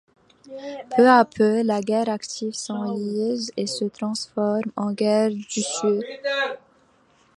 Peu à peu, la guerre active s'enlise et se transforme en guerre d'usure.